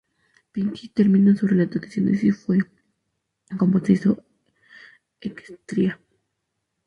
Pinkie termina su relato diciendo: "¡Y así fue como se hizo Equestria!